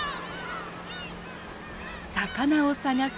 魚を探す